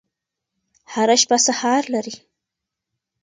هره شپه سهار لري.